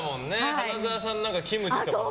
花澤さんのキムチとかもね。